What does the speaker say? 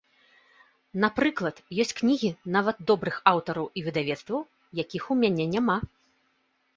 Напрыклад, ёсць кнігі, нават добрых аўтараў і выдавецтваў, якіх у мяне няма.